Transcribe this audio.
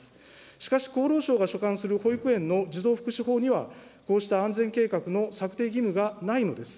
しかし、厚労省が所管する保育園の児童福祉法には、こうした安全計画の策定義務がないのです。